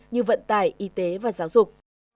như vận tải y tế và giáo dục